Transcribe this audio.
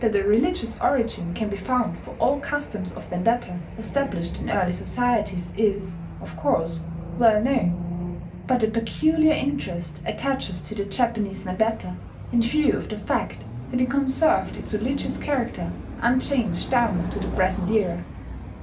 That a religious origin can be found for all customs of vendetta established in early societies is, of course, well known; but a peculiar interest attaches to the Japanese vendetta in view of the fact that it conserved its religious character unchanged down to the present era.